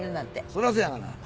そらそやがな。